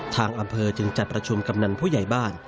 ทางอำเภอจึงจัดประชุมกำนันผู้ใหญ่บ้าน